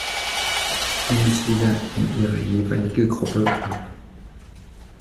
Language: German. Bundesliga in ihre jeweilige Gruppe ab.